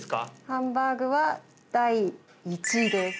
ハンバーグは第１位です。